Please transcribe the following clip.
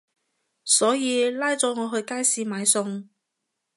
所以拉咗我去街市買餸